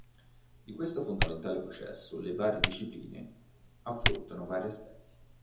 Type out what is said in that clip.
Di questo fondamentale processo le varie discipline affrontano vari aspetti.